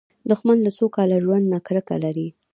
دښمن له سوکاله ژوند نه کرکه لري